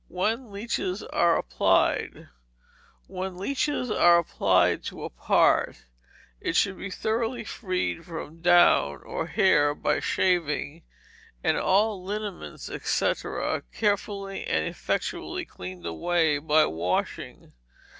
When Leeches are Applied When leeches are applied to a part, it should be thoroughly freed from down or hair by shaving, and all liniments, &c., carefully and effectually cleaned away by washing.